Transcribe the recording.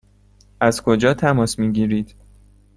از کجا تماس می گیرید؟